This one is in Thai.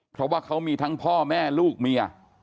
เพราะว่าเขามีทั้งพ่อแม่ลูกเมีย